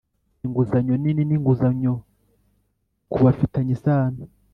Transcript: inguzanyo nini n inguzanyo ku bafitanye isano